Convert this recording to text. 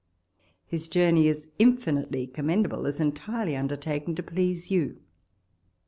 His journey is infinitely commendable, as en tirely undertaken to please you.